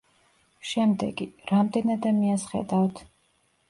შემდეგი: რამდენ ადამიანს ხედავთ?